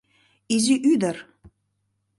Изи ӱдыр.